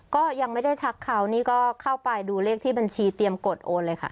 ก็ยังไม่ได้ทักเขานี่ก็เข้าไปดูเลขที่บัญชีเตรียมกดโอนเลยค่ะ